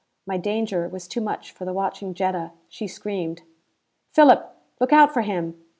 My danger was too much for the watching Jetta. She screamed. "Philip, look out for him!"